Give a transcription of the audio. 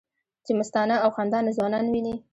چې مستانه او خندانه ځوانان وینې